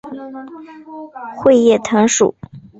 穗叶藤属。